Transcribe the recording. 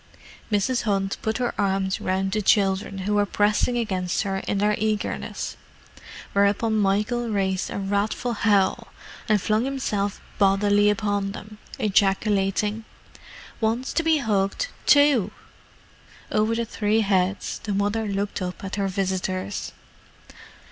Mrs. Hunt put her arms round the two children who were pressing against her in their eagerness: whereupon Michael raised a wrathful howl and flung himself bodily upon them, ejaculating: "Wants to be hugged, too!" Over the three heads the mother looked up at her visitors.